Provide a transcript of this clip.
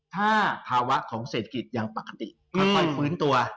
ถ้าภาวะของเศรษฐกิจยังปกติค่อยฟื้นตัว